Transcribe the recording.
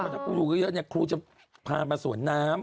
ถ้าครูอยู่เยอะเนี่ยครูจะพามาสวนน้ำ